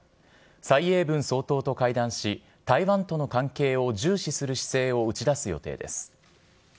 蔡英文総統と会談し、台湾との関係を重視する姿勢を打ち出す予定です。